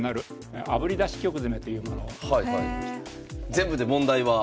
全部で問題は？